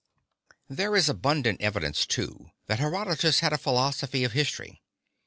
There is abundant evidence, too, that Herodotus had a philosophy of history.